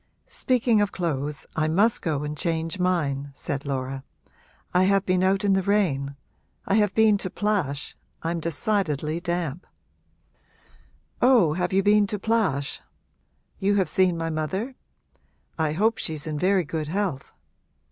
'Speaking of clothes I must go and change mine,' said Laura. 'I have been out in the rain I have been to Plash I'm decidedly damp.' 'Oh, you have been to Plash? You have seen my mother? I hope she's in very good health.'